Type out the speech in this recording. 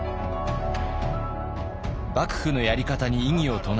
幕府のやり方に異議を唱え